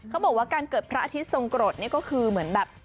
เขาบอกว่าการเกิดพระอาทิตย์ทรงกรดนี่ก็คือเหมือนแบบ